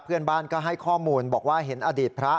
เพื่อนบ้านก็ให้ข้อมูลบอกว่าเห็นอดีตพระ